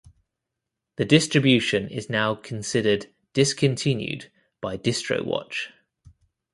The distribution is now considered "Discontinued" by DistroWatch.